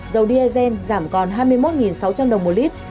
dầu diesel giảm còn hai mươi một sáu trăm linh đồng một lít